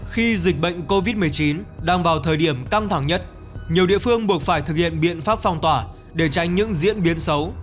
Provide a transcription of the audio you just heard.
khi dịch bệnh covid một mươi chín đang vào thời điểm căng thẳng nhất nhiều địa phương buộc phải thực hiện biện pháp phong tỏa để tránh những diễn biến xấu